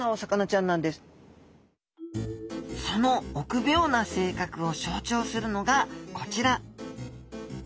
その臆病な性格を象徴するのがこちら。